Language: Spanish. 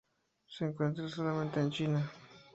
Se encuentra solamente en China.